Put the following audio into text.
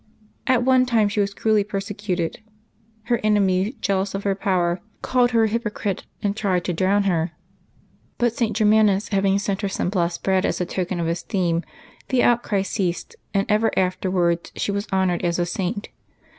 At one time she was cruelly persecuted: her enemies, jealous of her power, called her a hypocrite and tried to drown her; but St. Germanus having sent her some blessed bread as a token of esteem, the outcry ceased, and ever afterwards she was honored as a Saint.